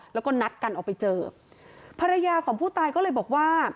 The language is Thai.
แล้วก็นัดกันออกไปเจอภรรยาของผู้ตายก็เลยบอกว่า